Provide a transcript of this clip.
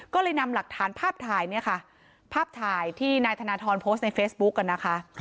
ก็เลยนำหลักฐานภาพถ่ายเนี่ยค่ะภาพถ่ายที่นายธนทรโพสต์ในเฟซบุ๊กกันนะคะ